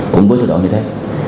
cũng với số độ như thế